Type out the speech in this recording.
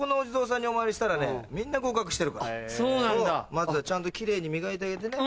まずはちゃんとキレイに磨いてあげてね。